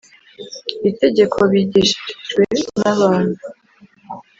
itegeko bigishijwe n abantu